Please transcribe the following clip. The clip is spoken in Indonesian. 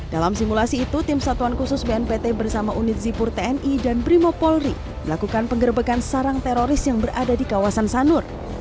dalam simulasi itu tim satuan khusus bnpt bersama unit zipur tni dan brimopolri melakukan penggerbekan sarang teroris yang berada di kawasan sanur